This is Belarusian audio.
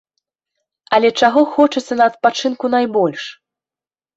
Але чаго хочацца на адпачынку найбольш?